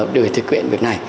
để thực hiện việc này